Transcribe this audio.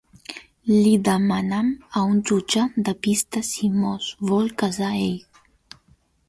Li demanam a un jutge de pista si mos vol casar ell.